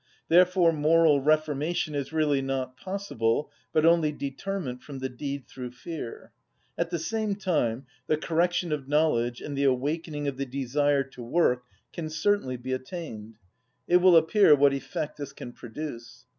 Therefore moral reformation is really not possible, but only determent from the deed through fear. At the same time, the correction of knowledge and the awakening of the desire to work can certainly be attained; it will appear what effect this can produce.